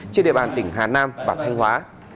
trên địa bàn tỉnh hà nam và thanh hóa